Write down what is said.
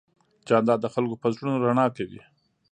جانداد د خلکو په زړونو رڼا کوي.